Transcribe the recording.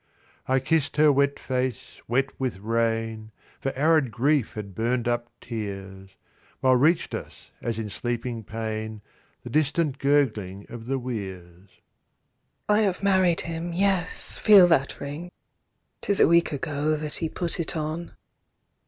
I kissed her wet face—wet with rain, For arid grief had burnt up tears, While reached us as in sleeping pain The distant gurgling of the weirs. "I have married him—yes; feel that ring; 'Tis a week ago that he put it on